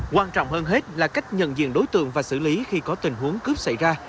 quan trọng hơn hết là cách nhận diện đối tượng và xử lý khi có tình huống cướp xảy ra